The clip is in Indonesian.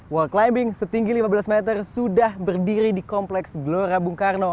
walk climbing setinggi lima belas meter sudah berdiri di kompleks gelora bung karno